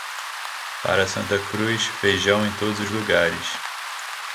Para Santa Cruz, feijão em todos os lugares.